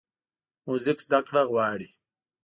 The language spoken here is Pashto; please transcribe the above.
موزیک زدهکړه غواړي.